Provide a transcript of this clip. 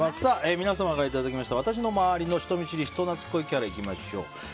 皆様からいただきました私の周りの人見知り・人懐っこいキャラいきましょう。